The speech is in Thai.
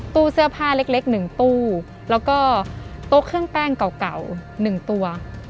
ตู้เสื้อผ้าเล็ก๑ตู้แล้วก็โต๊ะเครื่องแป้งเก่า๑ตัว